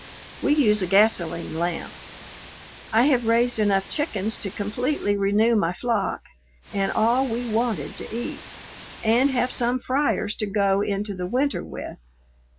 We use a gasoline lamp. I have raised enough chickens to completely renew my flock, and all we wanted to eat, and have some fryers to go into the winter with.